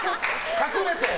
隠れて。